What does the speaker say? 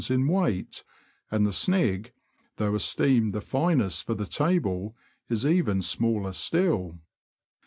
in weight ; and the snig, though esteemed the finest for the table, is even smaller still.